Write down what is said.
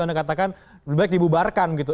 anda katakan lebih baik dibubarkan gitu